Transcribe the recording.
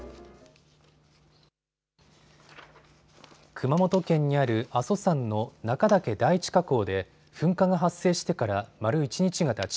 熊本県にある阿蘇山の中岳第一火口で噴火が発生してから丸一日がたち